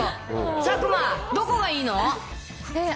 佐久間、どこがいいの？